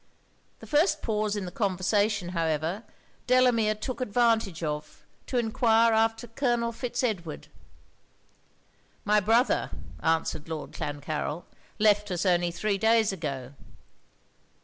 The first pause in the conversation, however, Delamere took advantage of to enquire after Colonel Fitz Edward. 'My brother,' answered Lord Clancarryl, 'left us only three days ago.'